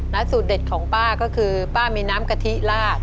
สูตรเด็ดของป้าก็คือป้ามีน้ำกะทิลาด